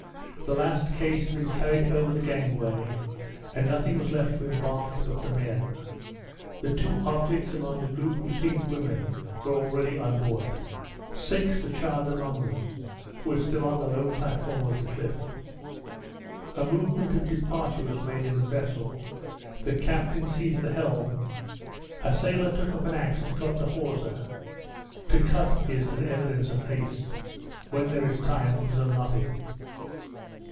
The last case had been carried over the gangway, and nothing was left to embark but the men. The two objects among the group who seemed women were already on board; six, the child among them, were still on the low platform of the cliff. A movement of departure was made in the vessel: the captain seized the helm, a sailor took up an axe to cut the hawser to cut is an evidence of haste; when there is time it is unknotted.